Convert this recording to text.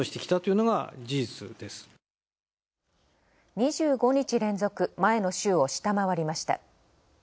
２５日連続、前の週を下回りました。